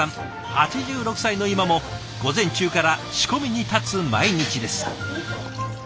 ８６歳の今も午前中から仕込みに立つ毎日です。